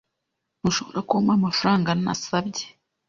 Ntushobora kumpa amafaranga nasabye.